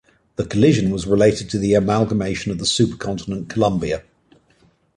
The collision was related to the amalgamation of the supercontinent Columbia.